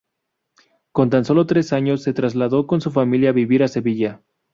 Con tan solo tres años, se trasladó con su familia a vivir a Sevilla.